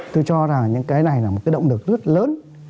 tôi cho rằng những cái này là một cái động lực rất lớn